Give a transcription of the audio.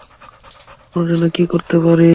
আপনার জন্য কি করতে পারি?